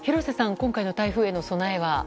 今回の台風への備えは？